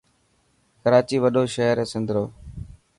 ڪراچي وڏو شهر هي سنڌرو.